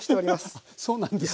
あそうなんですか。